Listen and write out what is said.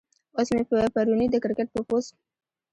اوس مې پۀ پروني د کرکټ پۀ پوسټ